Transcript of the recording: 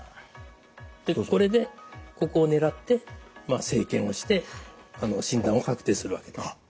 これでここを狙って生検をして診断を確定するわけです。